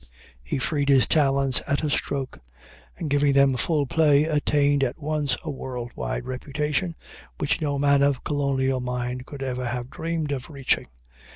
He freed his talents at a stroke, and giving them full play attained at once a world wide reputation, which no man of colonial mind could ever have dreamed of reaching.